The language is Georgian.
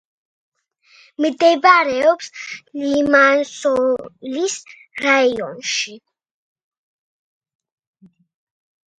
მდებარეობს ლიმასოლის რაიონში.